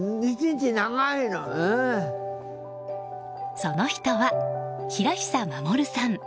その人は、平久守さん。